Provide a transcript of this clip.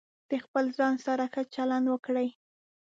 د خپل ځان سره ښه چلند وکړئ.